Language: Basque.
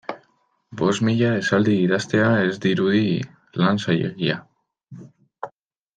Bost mila esaldi idaztea ez dirudi lan zailegia.